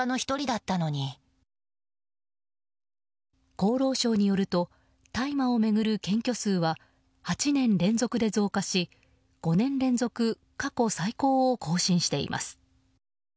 厚労省によると大麻を巡る検挙数は８年連続で増加し、５年連続過去最高を更新しています。